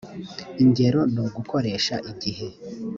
ingero ni ugukoresha igihe